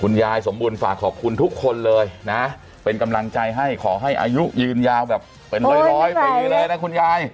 ยายสมบูรณ์ฝากขอบคุณทุกคนเลยนะเป็นกำลังใจให้ขอให้อายุยืนยาวแบบเป็นร้อยปีเลยนะคุณยาย